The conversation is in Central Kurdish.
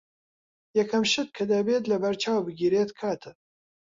یەکەم شت کە دەبێت لەبەرچاو بگیرێت کاتە.